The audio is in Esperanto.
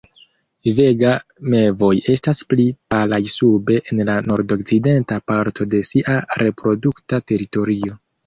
Vega mevoj estas pli palaj sube en la nordokcidenta parto de sia reprodukta teritorio.